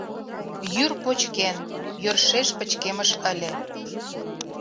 Йӱр почкен, йӧршеш пычкемыш ыле.